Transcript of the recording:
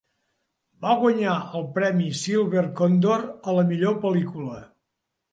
Va guanyar el premi Silver Condor a la millor pel·lícula.